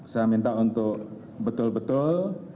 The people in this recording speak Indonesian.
saya minta untuk betul betul